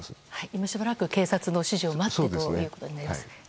今しばらく、警察の指示を待ってということですね。